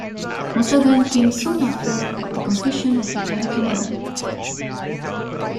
Most of them came soon after of the completion of the Erie Canal.